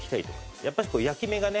やっぱし焼き目がね